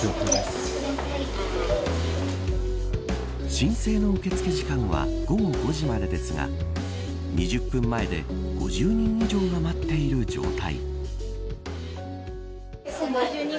申請の受け付け時間は午後５時までですが２０分前で５０人以上が待っている状態。